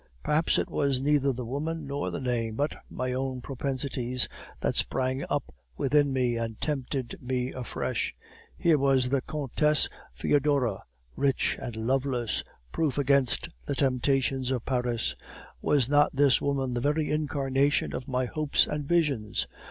Perhaps it was neither the woman nor the name, but my own propensities, that sprang up within me and tempted me afresh. Here was the Countess Foedora, rich and loveless, proof against the temptations of Paris; was not this woman the very incarnation of my hopes and visions?